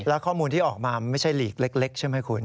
แล้วข้อมูลที่ออกมาไม่ใช่หลีกเล็กใช่ไหมคุณ